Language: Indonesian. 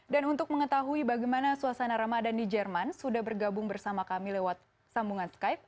dan untuk mengetahui bagaimana suasana ramadan di jerman sudah bergabung bersama kami lewat sambungan skype